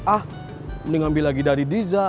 ah mending ambil lagi dari diza